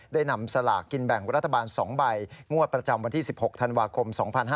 นำสลากกินแบ่งรัฐบาล๒ใบงวดประจำวันที่๑๖ธันวาคม๒๕๕๙